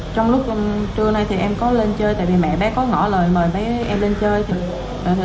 trong lúc trưa nay em có lên chơi mẹ bé có ngỏ lời mời em lên chơi